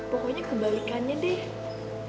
pokoknya kebalikannya deh